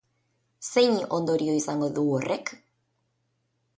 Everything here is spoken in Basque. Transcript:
Zein ondorio izango du horrek?